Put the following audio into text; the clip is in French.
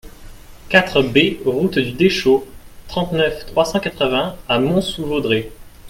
quatre B route du Deschaux, trente-neuf, trois cent quatre-vingts à Mont-sous-Vaudrey